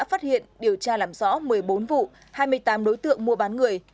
phát hiện điều tra làm rõ một mươi bốn vụ hai mươi tám đối tượng mua bán người